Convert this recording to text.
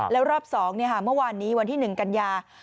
แล้วรอบ๒เนี่ยค่ะเมื่อวานนี้วันที่๑กันยา